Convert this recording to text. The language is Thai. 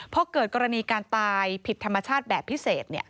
พอเกิดกรณีการตายผิดธรรมชาติแบบพิเศษ